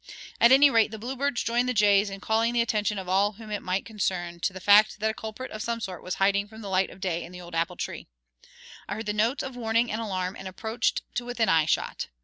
At any rate the bluebirds joined the jays in calling the attention of all whom it might concern to the fact that a culprit of some sort was hiding from the light of day in the old apple tree. I heard the notes of warning and alarm and approached to within eye shot.